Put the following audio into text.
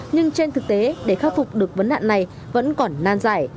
nhưng trên thực tế để khắc phục được vấn nạn này vẫn còn nan giải